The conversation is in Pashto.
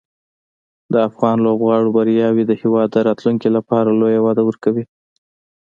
د افغان لوبغاړو بریاوې د هېواد د راتلونکي لپاره لویه وده ورکوي.